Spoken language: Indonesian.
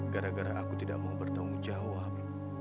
gara gara aku tidak mau bertanggung jawab